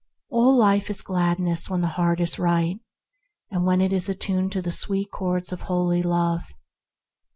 All life is gladness when the heart is right, when it is attuned to the sweet chords of holy Love.